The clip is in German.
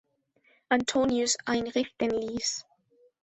Antonius einrichten ließ.